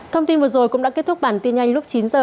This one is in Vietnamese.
thông tin vừa rồi cũng đã kết thúc bản tin nhanh lúc chín h